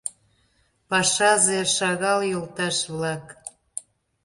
Пашазе шагал, йолташ-влак.